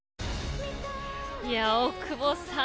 大久保さん。